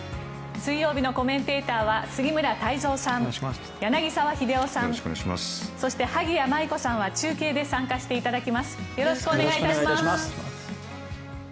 水曜日のコメンテーターは杉村太蔵さん、柳澤秀夫さんそして、萩谷麻衣子さんは中継で参加していただきます。